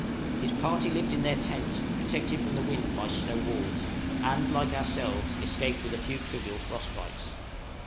His party lived in their tent, protected from the wind by snow walls, and, like ourselves, escaped with a few trivial frost bites.